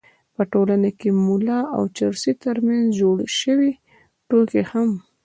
په ټولنه کې د ملا او چرسي تر منځ جوړې شوې ټوکې هم